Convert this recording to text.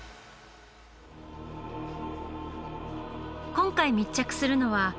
今回密着するのは。